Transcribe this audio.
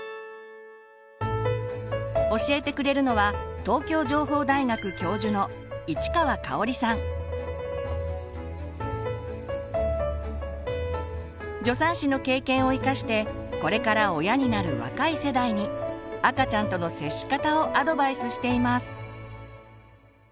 教えてくれるのは助産師の経験を生かしてこれから親になる若い世代に赤ちゃんとの接し方をアドバイスしています。